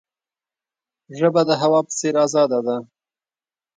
ژبه د هوا په څیر آزاده ده.